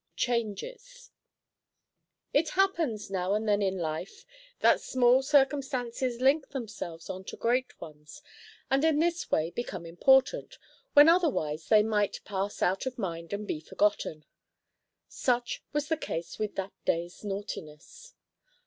CHANGES. It happens now and then in life that small circumstances link themselves on to great ones, and in this way become important, when otherwise they might pass out of mind and be forgotten. Such was the case with that day's naughtiness.